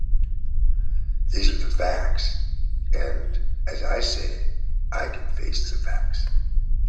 These are facts, and, as I said, I can face facts.